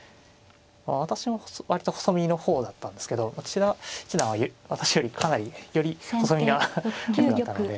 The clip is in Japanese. まあ私も割と細身の方だったんですけど千田七段は私よりかなりより細身な方だったんで。